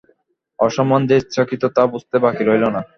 অসম্মান যে ইচ্ছাকৃত তা বুঝতে বাকি রইল না।